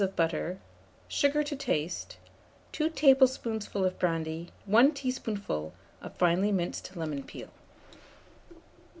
of butter, sugar to taste, 2 tablespoonfuls of brandy, 1 teaspoonful of finely minced lemon peel.